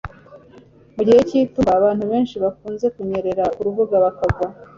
mu gihe cy'itumba, abantu benshi bakuze banyerera ku rubura bakagwa